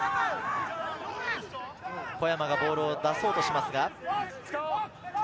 小山がボールを出そうとします。